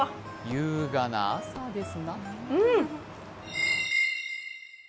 優雅な朝ですな。